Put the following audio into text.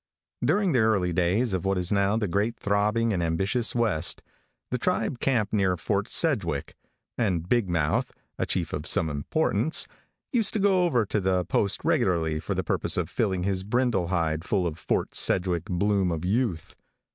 During the early days of what is now the great throbbing and ambitious west, the tribe camped near Fort Sedgwick, and Big Mouth, a chief of some importance, used to go over to the post regularly for the purpose of filling his brindle hide full of "Fort Sedgwick Bloom of Youth."